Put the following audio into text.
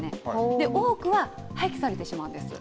で、多くは廃棄されてしまうんです。